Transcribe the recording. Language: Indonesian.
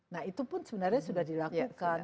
nah itu pun sebenarnya sudah dilakukan